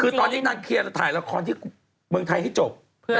คือตอนนี้นางเคลียร์ถ่ายละครที่เมืองไทยให้จบ